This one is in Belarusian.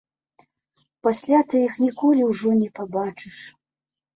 Пасля ты іх ніколі ўжо не пабачыш.